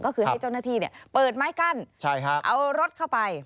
ก็คือให้เจ้าหน้าที่เปิดไม้กั้นเอารถเข้าไป